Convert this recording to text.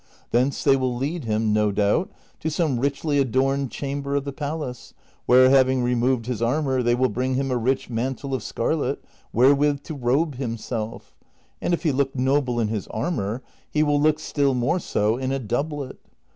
Thence they will lead him, no doubt, to some richly adorned chamber of the palace, where, having removed his armor, they will bring him a rich mantle of scarlet wherewith to robe himself, and if he looked noble in his armor he will look still more so in a doublet.